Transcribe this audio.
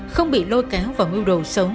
không bị lôi kéo vào mưu đồ sống